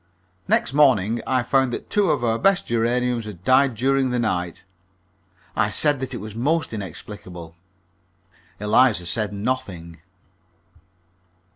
Next morning I found that two of our best geraniums had died during the night. I said that it was most inexplicable. Eliza said nothing.